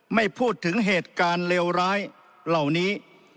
ไม่พูดถึงเหตุการณ์เลวร้ายเหล่านี้